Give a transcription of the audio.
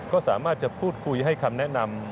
ก็สามารถจะพูดคุยให้คำแนะนำ